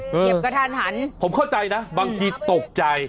เหยียบกระทันหันผมเข้าใจนะบางทีตกใจ